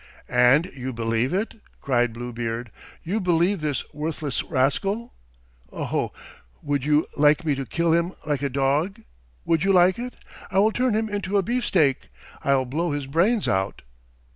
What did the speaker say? "And you believe it?" cried Bluebeard. "You believe this worthless rascal? O oh! Would you like me to kill him like a dog? Would you like it? I will turn him into a beefsteak! I'll blow his brains out!"